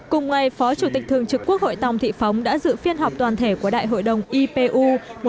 cùng ngày phó chủ tịch thường trực quốc hội tòng thị phóng đã dự phiên họp toàn thể của đại hội đồng ipu một nghìn chín trăm bốn mươi một